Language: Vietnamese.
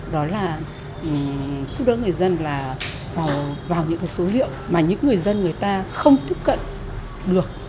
đó là giúp đỡ người dân là vào những số liệu mà những người dân người ta không tiếp cận được